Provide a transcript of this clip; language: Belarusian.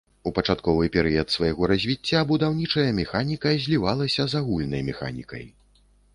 У пачатковы перыяд свайго развіцця будаўнічая механіка злівалася з агульнай механікай.